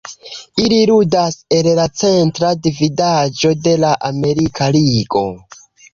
Ili ludas en la Centra Dividaĵo de la Amerika Ligo.